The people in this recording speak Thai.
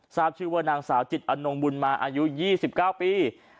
ทราบชื่อว่านางสาวจิตอนงบุญมาอายุ๒๙ปี